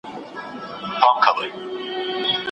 د غوايي تشو رمباړو تښتولی